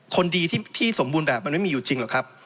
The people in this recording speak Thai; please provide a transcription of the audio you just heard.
คนดีที่สมบูรณ์แบบมันไม่มีอยู่จริงหรอกครับ